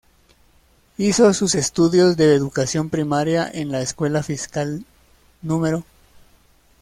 Hizo sus estudios de educación primaria en la escuela fiscal No.